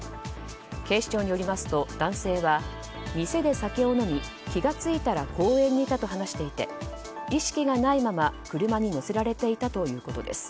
警視庁によりますと男性は店で酒を飲み気が付いたら公園にいたと話していて意識がないまま、車に乗せられていたということです。